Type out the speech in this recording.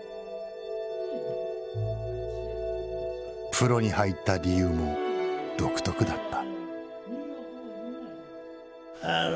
プロに入った理由も独特だった。